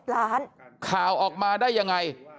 ล้านข่าวออกมาได้ยังไง